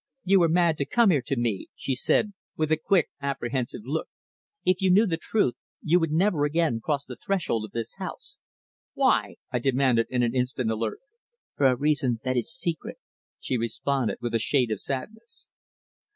"You were mad to come here to me," she said, with a quick, apprehensive look. "If you knew the truth you would never again cross the threshold of this house." "Why?" I demanded, in an instant alert. "For a reason that is secret," she responded with a shade of sadness.